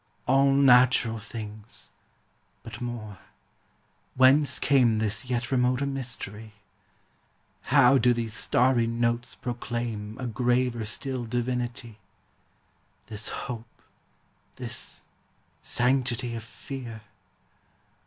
All natural things! But more Whence came This yet remoter mystery? How do these starry notes proclaim A graver still divinity? This hope, this sanctity of fear?